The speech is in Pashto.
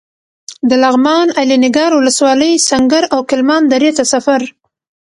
د لغمان الینګار ولسوالۍ سنګر او کلمان درې ته سفر.